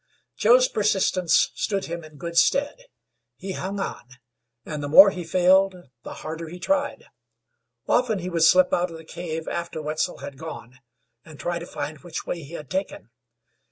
Joe's persistence stood him in good stead; he hung on, and the more he failed, the harder he tried. Often he would slip out of the cave after Wetzel had gone, and try to find which way he had taken.